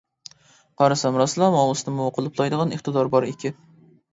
قارىسام راسلا مائۇسنىمۇ قۇلۇپلايدىغان ئىقتىدارى بار ئىكەن.